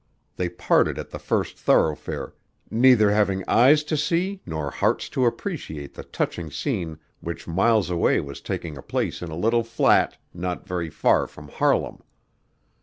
They parted at the first thoroughfare, neither having eyes to see nor hearts to appreciate the touching scene which miles away was taking place in a little flat not very far from Harlem.